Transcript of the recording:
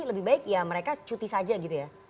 lebih baik ya mereka cuti saja gitu ya